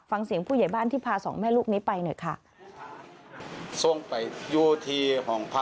ฟังเสียงผู้ใหญ่บ้านที่พาสองแม่ลูกนี้ไปหน่อยค่ะ